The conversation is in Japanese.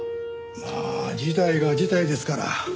まあ事態が事態ですから。